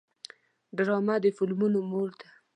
ډرامه د فلمونو مور ده